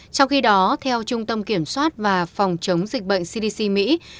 trong khi đó theo trung tâm kiểm soát và phòng chống dịch bệnh cdc mỹ